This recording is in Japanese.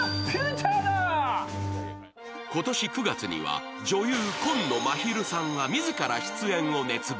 今年９月には女優・紺野まひるさんが自ら出演を熱望。